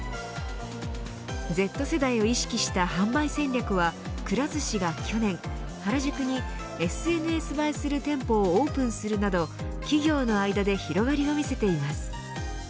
Ｚ世代を意識した販売戦略はくら寿司が去年原宿にＳＮＳ映えする店舗をオープンするなど企業の間で広がりを見せています。